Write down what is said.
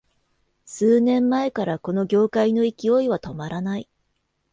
数年前からこの業界の勢いは止まらない